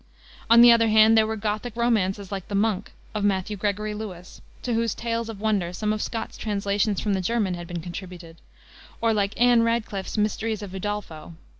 On the other hand, there were Gothic romances, like the Monk of Matthew Gregory Lewis, to whose Tales of Wonder some of Scott's translations from the German had been contributed; or like Anne Radcliffe's Mysteries of Udolpho.